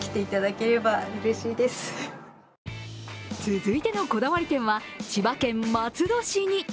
続いてのこだわり店は千葉県松戸市に。